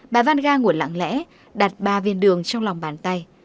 bà vanga ngủ lặng lẽ đặt ba viên đường trong lòng bàn tay